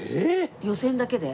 予選だけで？